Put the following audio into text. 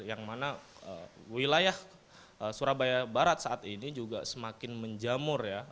yang mana wilayah surabaya barat saat ini juga semakin menjamur ya